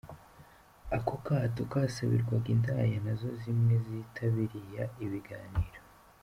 Ako kato kasabirwaga indaya, nazo zimwe zitabiriya ibiganiro.